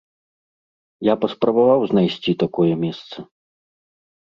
Я паспрабаваў знайсці такое месца.